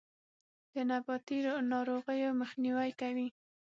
د نباتي ناروغیو مخنیوی کوي.